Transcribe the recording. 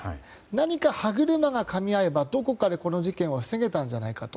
何か歯車がかみ合えばどこかでこの事件は防げたのではないかと。